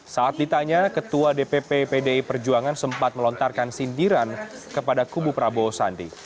saat ditanya ketua dpp pdi perjuangan sempat melontarkan sindiran kepada kubu prabowo sandi